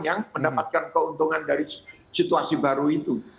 yang mendapatkan keuntungan dari situasi baru itu